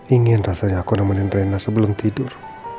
ingin rasanya aku nemenin renda sebelum tidur